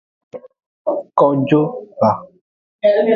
Kojo va.